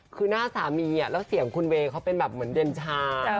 คือหน้าสามีแล้วเสียงคุณเวย์เขาเป็นแบบเหมือนเดือนชา